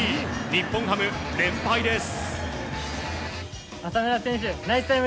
日本ハム、連敗です。